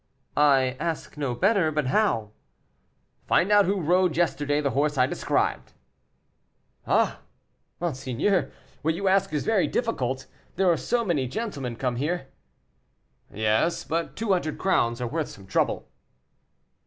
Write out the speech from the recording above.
"I ask no better. But how?" "Find out who rode yesterday the horse I described." "Ah, monsieur, what you ask is very difficult, there are so many gentlemen come here." "Yes, but two hundred crowns are worth some trouble."